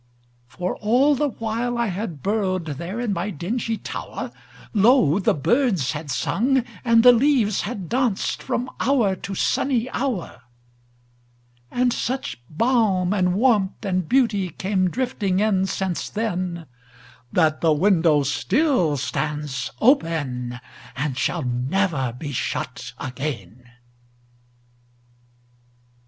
For all the while I had burrowedThere in my dingy tower, Lo! the birds had sung and the leaves had dancedFrom hour to sunny hour. And such balm and warmth and beautyCame drifting in since then, That the window still stands openAnd shall never be shut again.